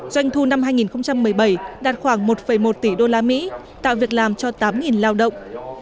doanh thu năm hai nghìn một mươi bảy đạt khoảng một một tỷ đô la mỹ tạo việc làm cho tám lao động